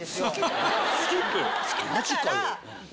マジかよ。